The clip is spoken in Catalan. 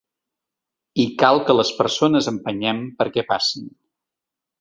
I cal que les persones empenyem perquè passin.